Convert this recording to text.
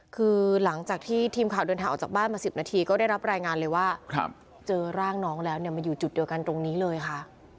คือหลังจากที่ทีมข่าวเดินทางออกจากบ้านมา๑๐นาทีก็ได้รับรายงานเลยว่าเจอร่างน้องแล้วมาอยู่จุดเดียวกันตรงนี้เลยค่ะ